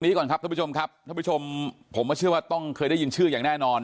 ก่อนครับท่านผู้ชมครับท่านผู้ชมผมก็เชื่อว่าต้องเคยได้ยินชื่ออย่างแน่นอน